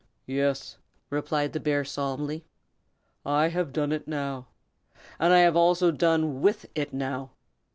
"Yes," replied the bear, solemnly, "I have done it now! And I have also done with it now.